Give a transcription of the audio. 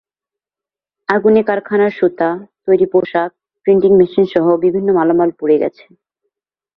আগুনে কারখানার সুতা, তৈরি পোশাক, প্রিন্টিং মেশিনসহ বিভিন্ন মালামাল পুড়ে গেছে।